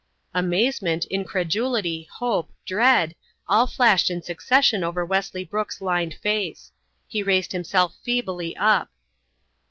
Amazement, incredulity, hope, dread, all flashed in succession over Wesley Brooke's lined face. He raised himself feebly up.